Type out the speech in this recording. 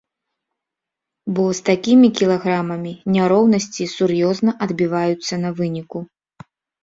Бо з такімі кілаграмамі няроўнасці сур'ёзна адбіваюцца на выніку.